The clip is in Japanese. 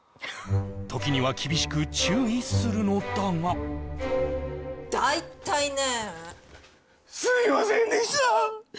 時には厳しく注意するのだが大体ねえすいませんでした！